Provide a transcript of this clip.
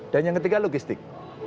dan yang ketiga logistik